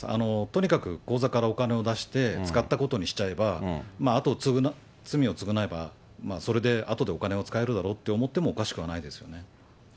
とにかく口座からお金を出して、使ったことにしちゃえば、あと、罪を償えば、それであとでお金は使えるだろうと思ってもおかしくはないですよ